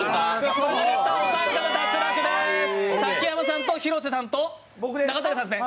崎山さんと広瀬さんと中谷さんですね